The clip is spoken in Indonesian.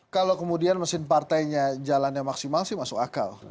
kalau kemudian mesin partainya jalannya maksimal sih masuk akal